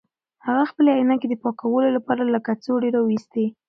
هغه خپلې عینکې د پاکولو لپاره له کڅوړې راویستې.